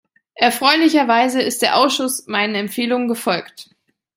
Erfreulicherweise ist der Ausschuss meinen Empfehlungen gefolgt.